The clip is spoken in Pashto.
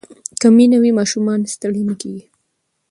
که مینه وي ماشومان ستړي نه کېږي.